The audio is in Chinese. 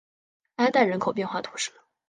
埃代人口变化图示